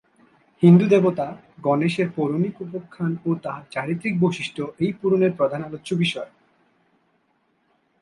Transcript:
হিন্দু দেবতা গণেশের পৌরাণিক উপাখ্যান ও তাঁর চারিত্রিক বৈশিষ্ট্য এই পুরাণের প্রধান আলোচ্য বিষয়।